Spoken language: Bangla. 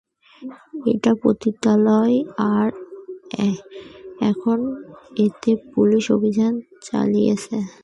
এটা পতিতালয় আর এখন এতে পুলিশ অভিযান চালিয়েছে।